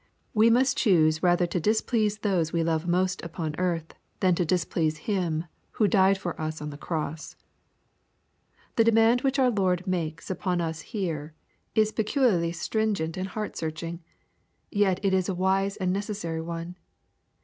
We must choose rather to displease those we love most upon earth, than to displease Him who died for us on the cross. The demand which our Lord makes upon us here is peculiarly stringent and heart searching. Yet it is a wise and a necessary one.